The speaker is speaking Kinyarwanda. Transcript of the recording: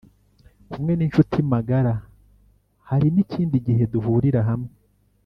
kumwe n incuti magara Hari n ikindi gihe duhurira hamwe